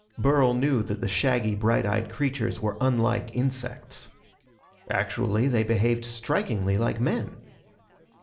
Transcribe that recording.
Burl knew that the shaggy, bright eyed creatures were unlike insects. Actually, they behaved strikingly like men.